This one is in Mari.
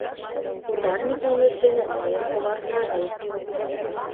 — Ударник улмет дене мыйым когартарет.